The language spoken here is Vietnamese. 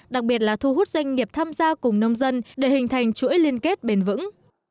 đặc biệt là thu hút doanh nghiệp tham gia cùng nông dân để hình thành chuỗi liên kết bền vững